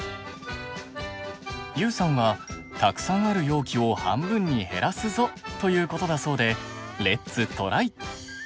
ＹＯＵさんは「たくさんある容器を半分に減らすぞ」ということだそうでレッツトライ！